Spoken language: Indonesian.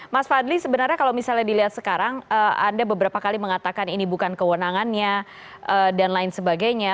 mas fadli sebenarnya kalau misalnya dilihat sekarang anda beberapa kali mengatakan ini bukan kewenangannya dan lain sebagainya